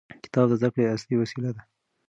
کتاب د زده کړې اصلي وسیله ده.